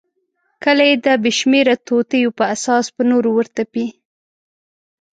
کله یې د بېشمیره توطیو په اساس پر نورو ورتپي.